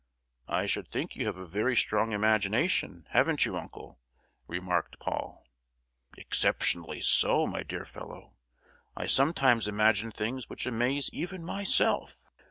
"I should think you have a very strong imagination, haven't you, uncle?" remarked Paul. "Exceptionally so, my dear fellow. I sometimes imagine things which amaze even myself!